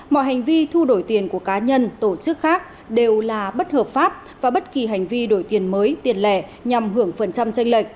mọi hành vi thu đổi tiền của cá nhân tổ chức khác đều là bất hợp pháp và bất kỳ hành vi đổi tiền mới tiền lẻ nhằm hưởng phần trăm tranh lệch